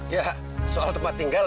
ya soal tempat tinggal